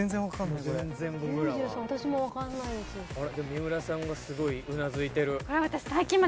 三浦さんがすごいうなずいてる。